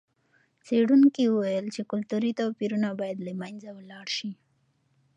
څېړونکي وویل چې کلتوري توپیرونه باید له منځه ولاړ سي.